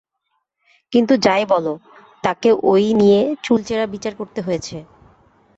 কিন্তু যাই বলো, তাঁকে ঐ নিয়ে চুলচেরা বিচার করতে হয়েছে।